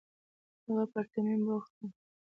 هغه په ترميم بوخت و.